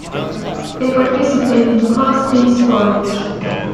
They participate in Class B Sports.